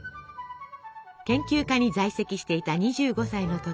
研究科に在籍していた２５歳の時。